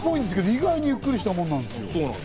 意外にゆっくりしたもんなんですよ。